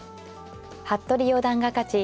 服部四段が勝ち